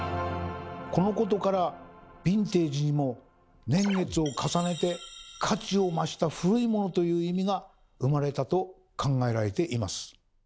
このことから「ヴィンテージ」にも「年月を重ねて価値を増した古いモノ」という意味が生まれたと考えられています。